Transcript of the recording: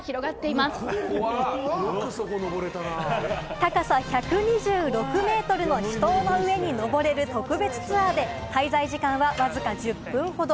高さ１２６ｍの主塔の上に登れる特別ツアーで、滞在時間はわずか１０分ほど。